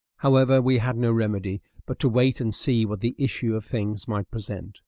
However, we had no remedy but to wait and see what the issue of things might present.